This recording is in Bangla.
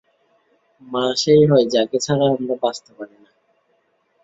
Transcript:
মা সেই হয় যাকে ছাড়া আমরা বাঁচতে পারি না।